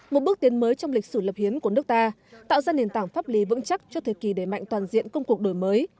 một bước tiến mới trong lịch sử lập hiến của nước ta tạo ra nền tảng pháp lý vững chắc cho thời kỳ đề mạnh toàn diện công cuộc đổi mới